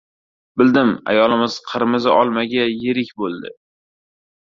Bildim — ayolimiz qirmizi olmaga yerik bo‘ldi!